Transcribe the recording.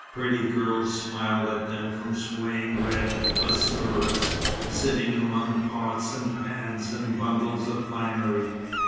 Pretty girls smiled at them from swaying red bassourahs, sitting among pots and pans, and bundles of finery.